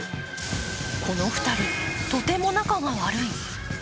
この２人、とても仲が悪い。